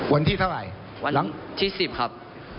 วันที่๒ครับ